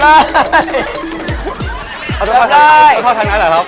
เอาทั่วข้างไหนเหรอครับ